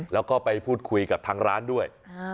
แล้วก็ไปพูดคุยกับทางร้านด้วย